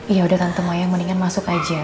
ya sudah tante mayang sebaiknya masuk saja